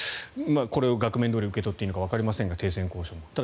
これを額面どおり受け取っていいのかわかりませんが停戦交渉も。